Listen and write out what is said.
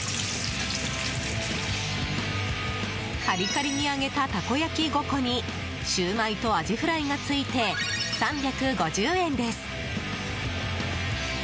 カリカリに揚げたたこやき５個にシューマイとアジフライがついて３５０円です！